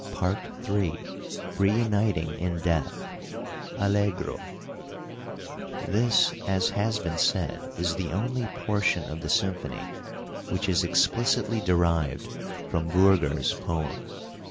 PART III. REUNITING IN DEATH Allegro This, as has been said, is the only portion of the symphony which is explicitly derived from Bürger's poem.